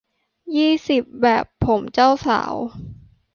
ยี่สิบ แบบผมเจ้าสาว